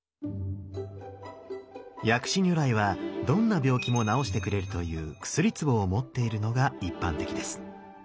薬師如来はどんな病気も治してくれるという薬壺を持っているのが一般的です。